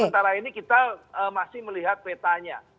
sementara ini kita masih melihat petanya